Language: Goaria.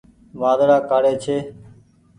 وآڌڙآ ڪآڙي ڇي۔